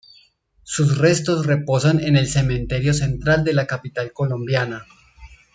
Sus restos reposan en el Cementerio Central de la capital colombiana.